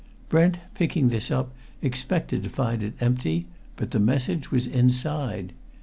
Brent, picking this up, expected to find it empty, but the message was inside.